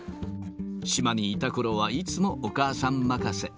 島にいたころは、いつもお母さん任せ。